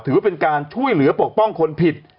ถือว่าเป็นการช่วยเหลือปกป้องคนผิด